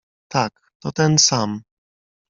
"Tak, to ten sam."